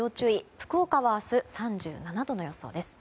福岡は明日３７度の予想です。